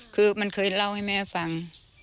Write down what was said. คือมันเคยเล่าให้แม่ฟัง